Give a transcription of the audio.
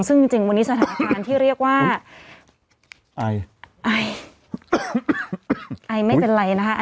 ซึ่งจริงวันนี้สถานการณ์ที่เรียกว่าไอไอไม่เป็นไรนะคะ